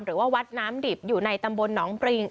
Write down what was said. หรือว่าวัดน้ำดิบอยู่ในตำบลหนองปริง